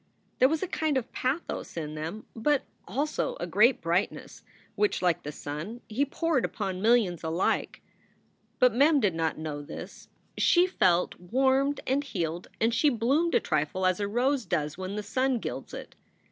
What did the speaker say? There was a kind of pathos in them, but also a great brightness, which, like the sun, he poured upon millions alike. But Mem did not know this. She felt 54 SOULS FOR SALE warmed and healed, and she bloomed a trifle as a rose does when the sun gilds it.